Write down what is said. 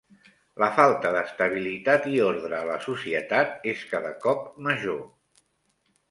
La falta d'estabilitat i ordre a la societat és cada cop major.